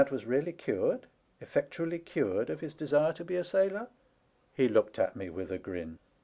was really cured, effectually cured, of his desire to be a sailor ?*' He looked at me with a grin.